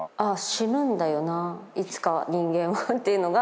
死ぬんだよないつか人間はっていうのが。